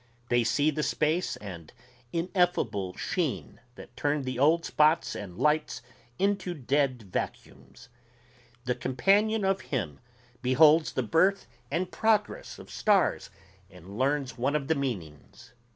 they see the space and ineffable sheen that turn the old spots and lights into dead vacuums. The companion of him beholds the birth and progress of stars and learns one of the meanings.